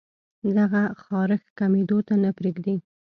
دغه خارښ کمېدو ته نۀ پرېږدي